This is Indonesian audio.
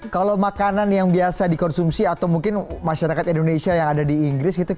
kalau makanan yang biasa dikonsumsi atau mungkin masyarakat indonesia yang ada di inggris gitu